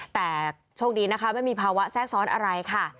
แต่โชคดีนะคะไม่มีภาวะแทรกซ้อนอะไรค่ะ